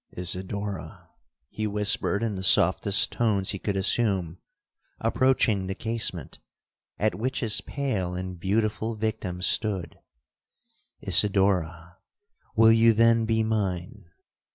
'Isidora!' he whispered in the softest tones he could assume, approaching the casement, at which his pale and beautiful victim stood; 'Isidora! will you then be mine?'